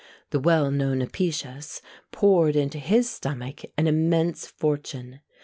The well known Apicius poured into his stomach an immense fortune.